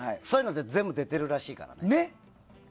そういうのって全部出てるらしいから。ね。